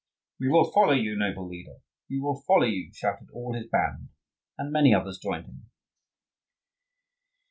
"We will follow you, noble leader, we will follow you!" shouted all his band, and many others joined them.